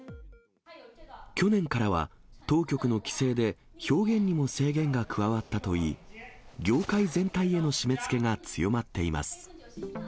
去年からは、当局の規制で表現にも制限が加わったといい、業界全体への締めつけが強まっています。